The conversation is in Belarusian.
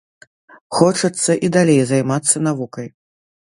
Хочацца і далей займацца навукай.